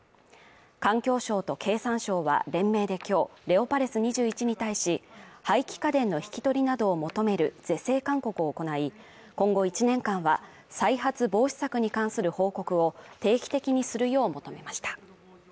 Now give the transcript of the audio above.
環境省と経産省は連名で今日、レオパレス２１に対し、廃棄家電の引き取りなどを求める是正勧告を行い、今後１年間は再発防止策に関する報告を定期的にするよう求めました。